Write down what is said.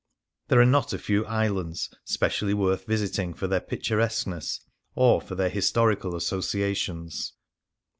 There are not a few islands specially worth visiting for their picturesqueness or for their historical associa 94 § 2 The Lagoon tions.